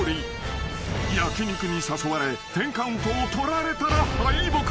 ［焼き肉に誘われ１０カウントを取られたら敗北］